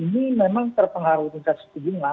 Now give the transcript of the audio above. ini memang terpengaruh tingkat suku bunga